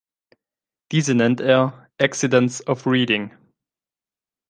Diese nennt er "accidents of reading".